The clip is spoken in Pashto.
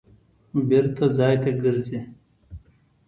بېرته ځای ته ګرځي.